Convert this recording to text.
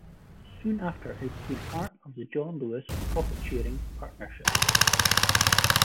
Soon after it became part of the John Lewis profit sharing partnership.